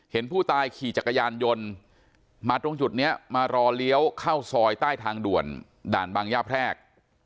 เห็นผู้ตายขี่จักรยานยนต์มาตรงจุดนี้มารอเลี้ยวเข้าซอยใต้ทางด่วนด่านบางย่าแพรก